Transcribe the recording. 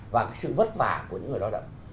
và cái sự vất vả của những người đó đó